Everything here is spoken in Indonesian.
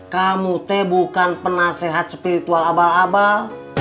kamu teh bukan penasehat spiritual abal abal